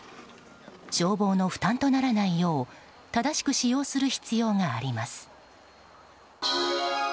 消防の負担とならないよう正しく使用する必要があります。